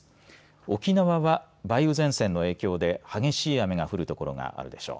沖縄は梅雨前線の影響で激しい雨が降るところがあるでしょう。